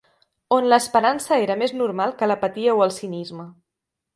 On l'esperança era més normal que l'apatia o el cinisme